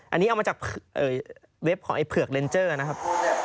อันนี้เอามาจากเว็บของไอ้เผือกเลนเจอร์นะครับ